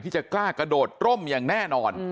จะกล้ากระโดดร่มอย่างแน่นอน